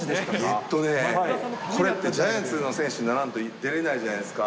ネットで、これ、ジャイアンツの選手にならんと出れないじゃないですか。